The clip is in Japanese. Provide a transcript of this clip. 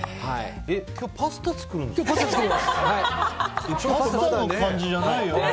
今日、パスタ作るんですよね。